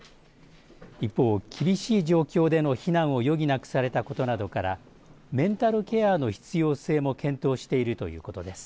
一方、厳しい状況での避難を余儀なくされたことなどからメンタルケアの必要性も検討しているということです。